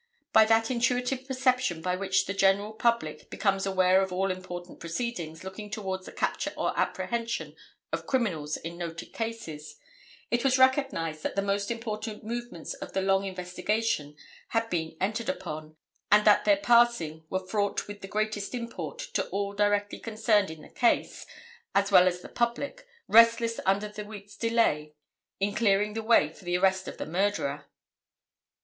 By that intuitive perception by which the general public becomes aware of all important proceedings looking towards the capture or apprehension of criminals in noted cases, it was recognized that the most important movements of the long investigation had been entered upon; and that their passing were fraught with the greatest import to all directly concerned in the case as well as the public, restless under the week's delay in clearing the way for the arrest of the murderer.